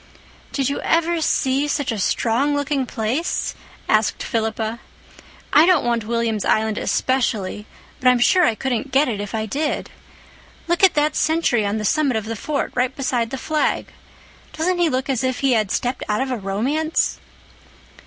"Did you ever see such a strong looking place?" asked Philippa. "I don't want William's Island especially, but I'm sure I couldn't get it if I did. Look at that sentry on the summit of the fort, right beside the flag. Doesn't he look as if he had stepped out of a romance?"